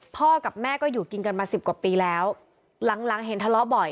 กับแม่ก็อยู่กินกันมาสิบกว่าปีแล้วหลังหลังเห็นทะเลาะบ่อย